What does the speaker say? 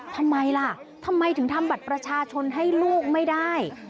ทำไมล่ะทำไมถึงทำบัตรประชาชนให้ลูกไม่ได้